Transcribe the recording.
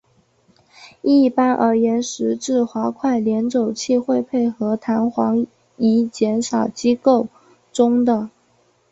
一般而言十字滑块联轴器会配合弹簧以减少机构中的。